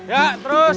ya terus terus